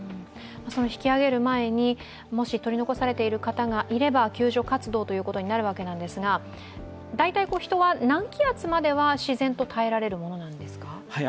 引き揚げる前にもし取り残されている方がいれば救助活動ということになるわけですが、大体、人は何気圧までは自然と耐えられるものですか？